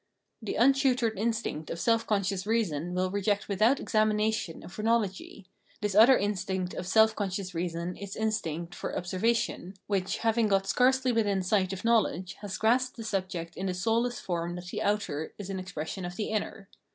The untutored instinct of self conscious reason will reject without examination a phrenology — this other instinct of self conscious reason, its instinct for obser vation, which, having got scarcely within sight of knowledge, has grasped the subject in the soulless form that the outer is an expression of the inner.